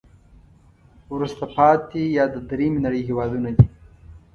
وروسته پاتې یا د دریمې نړی هېوادونه دي.